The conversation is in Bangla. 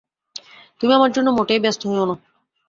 তুমি আমার জন্য মোটেই ব্যস্ত হয়ো না।